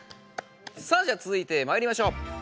さあじゃあつづいてまいりましょう。